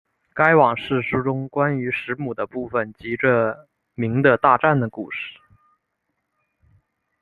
该往世书中关于时母的部分即着名的大战的故事。